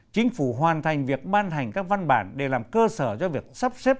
chính phủ hoàn thành việc ban hành các văn bản để làm cơ sở cho việc sắp xếp